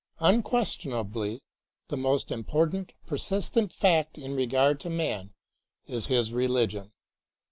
Unquestionably, the most important, persistent fact in regard to man is his religion.